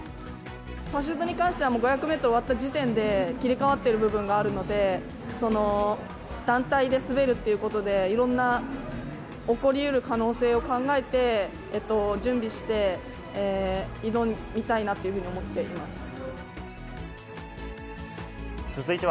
パシュートに関しては、５００メートルが終わった時点で、切り替わってる部分があるので、その団体で滑るということで、いろんな起こりうる可能性を考えて、準備して、挑みたいなというふうに思っています。